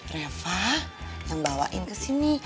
reva yang bawain kesini